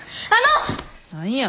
何や。